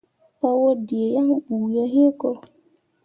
Paa waddǝǝ yaŋ bu yo hĩĩ ko.